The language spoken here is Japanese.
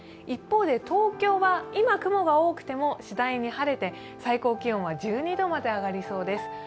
一方で東京は今、雲が多くても次第に晴れて最高気温は１２度まで上がりそうです。